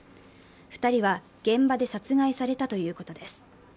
２人は現場で殺害されたということです。